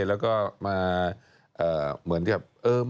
แล้วก็มาแบบ